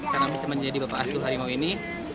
karena bisa menjadi bapak asu harimau ini